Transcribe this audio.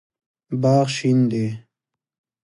باغ شین دی